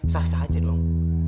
sah sah aja dong